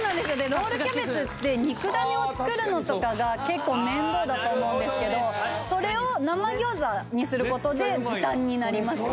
ロールキャベツって肉だねを作るのとかが結構面倒だと思うんですけどそれを生餃子にすることで時短になりますね・